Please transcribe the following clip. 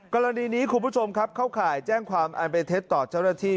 กรณีนี้คุณผู้ชมครับเข้าข่ายแจ้งความอันเป็นเท็จต่อเจ้าหน้าที่